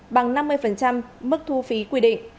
bằng năm mươi mức thu phí quy định